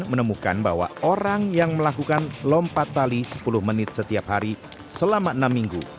menemukan bahwa orang yang melakukan lompat tali sepuluh menit setiap hari selama enam minggu